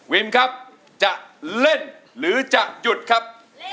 วิมครับจะเล่นหรือจะหยุดครับ